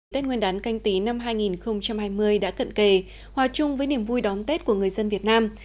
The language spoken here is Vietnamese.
tết nguyên đán canh tí năm hai nghìn hai mươi đã cận kề hòa chung với niềm vui đón tết của người dân việt nam